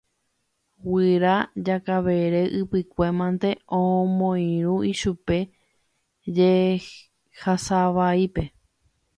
Guyra Jakavere ypykue mante omoirũ ichupe jehasavaípe.